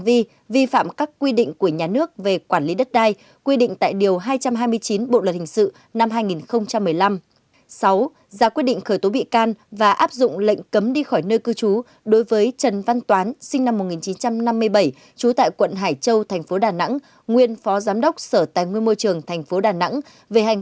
bảy giá quyết định khởi tố bị can và áp dụng lệnh cấm đi khỏi nơi cư trú đối với trần văn toán sinh năm một nghìn chín trăm năm mươi bảy trú tại quận hải châu tp đà nẵng nguyên phó giám đốc sở tài nguyên môi trường tp đà nẵng